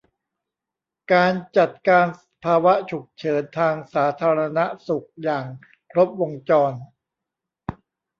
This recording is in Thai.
การจัดการภาวะฉุกเฉินทางสาธารณสุขอย่างครบวงจร